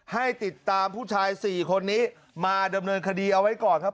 ให้ติดตามผู้ชาย๔คนนี้มาดำเนินคดีเอาไว้ก่อนครับ